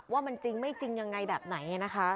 ว่ามันจริงไม่จริงยังไงแบบไหนนะคะ